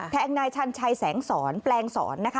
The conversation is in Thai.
แทงนายชันชัยแสงสอนแปลงสอนนะคะ